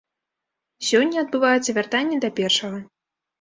Сёння адбываецца вяртанне да першага.